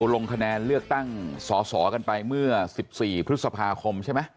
ลงคะแนนเลือกตั้งสอสอกันไปเมื่อ๑๔พฤษภาคมใช่ไหม